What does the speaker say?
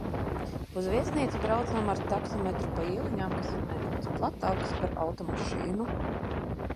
Uz viesnīcu braucam ar taksometru pa ieliņām, kas ir nedaudz platākas par automašīnu.